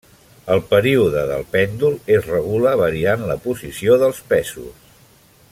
El període del pèndol es regula variant la posició dels pesos.